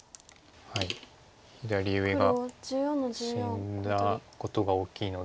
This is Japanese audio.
左上が死んだことが大きいので。